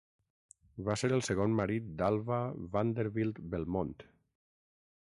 Va ser el segon marit d'Alva Vanderbilt Belmont.